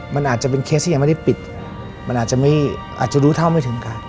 มันอาจจะเป็นเคสที่ยังไม่ได้ปิดมันอาจจะรู้เท่าไม่ถึงการ